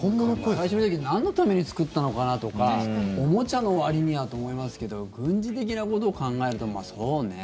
最初見た時なんのために作ったのかなとかおもちゃのわりにはと思いますけど軍事的なことを考えるとまあ、そうね。